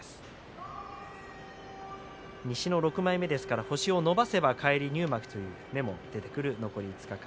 西の６枚目ですから星を伸ばせば返り入幕という目も出てくる大翔鵬です。